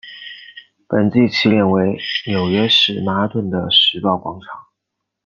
本季起点为纽约市曼哈顿的时报广场。